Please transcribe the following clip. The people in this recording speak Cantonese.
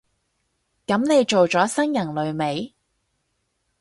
噉你做咗新人類未？